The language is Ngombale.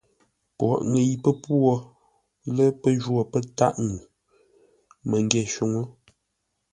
Pwoghʼ ŋəi pə́pwó lə́ pə́ jwó pə́ tâʼ ŋuu məngyě shúŋə́.